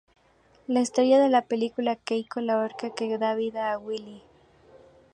La estrella de la película es Keiko, la orca que da vida a "Willy".